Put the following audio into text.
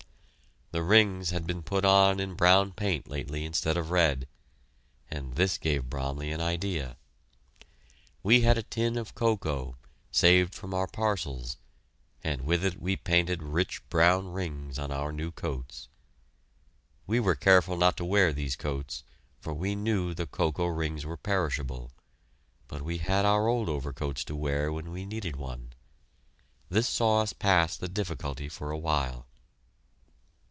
The rings had been put on in brown paint lately instead of red, and this gave Bromley an idea. We had a tin of cocoa, saved from our parcels, and with it we painted rich brown rings on our new coats. We were careful not to wear these coats, for we knew the cocoa rings were perishable, but we had our old overcoats to wear when we needed one. This saw us past the difficulty for a while.